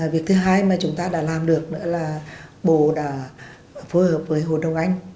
việc thứ hai mà chúng ta đã làm được nữa là bồ đã phối hợp với hồ đông anh